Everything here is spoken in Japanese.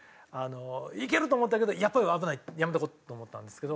「いける！」と思ったけど「やっぱり危ないやめとこ」と思ったんですけど。